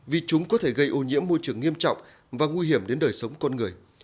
vì chúng có thể gây ô nhiễm môi trường nghiêm trọng và nguy hiểm đến đời sống con người